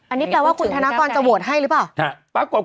อันนี้แปลว่าคุณธนกรจะโหวตให้หรือเปล่า